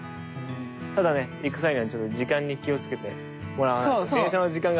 ただね行く際にはちょっと時間に気をつけてもらわないと。